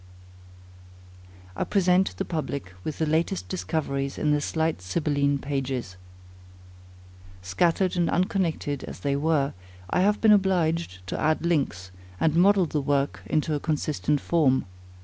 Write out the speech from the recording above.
I present the public with my latest discoveries in the slight Sibylline pages. Scattered and unconnected as they were, I have been obliged to add links, and model the work into a consistent form.